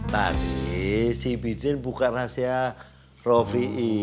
tadi si bidin buka rahasia rovi'i